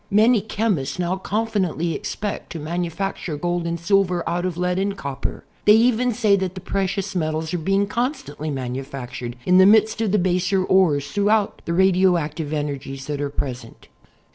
Many chemists now confidently ex pect to manufacture gold and silver out of lead and copper. They even say that the precious metals are being constantly manufactured in the midst of the baser ores throughout the radioactive energies that are present.